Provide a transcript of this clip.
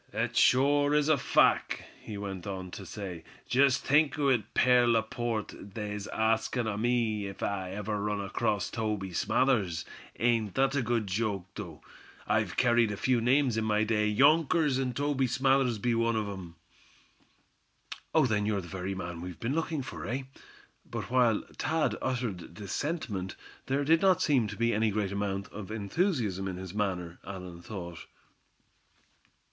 "Thet shore is a fack," he went on to say. "Jest think o' it, Pierre Laporte, they's askin' o' me ef I ever run acrost Toby Smathers? Ain't thet a good joke, though? I've kerried a few names in my day, younkers, an' Toby Smathers be one o' 'em." "Oh! then you're the very man we've been looking for, eh?" but while Thad uttered this sentiment, there did not seem to be any great amount of enthusiasm in his manner, Allan thought.